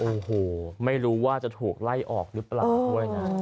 โอ้โหไม่รู้ว่าจะถูกไล่ออกหรือเปล่าด้วยนะ